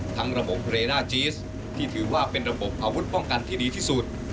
ระบบเรน่าจีสที่ถือว่าเป็นระบบอาวุธป้องกันที่ดีที่สุด